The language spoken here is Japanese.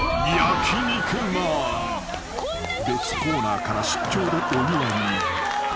［別コーナーから出張でお祝いに］